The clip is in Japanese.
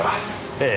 ええ。